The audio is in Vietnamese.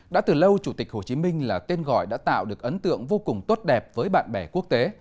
đã từ lâu chủ tịch hồ chí minh là tên gọi đã tạo được ấn tượng vô cùng tốt đẹp với bạn bè quốc tế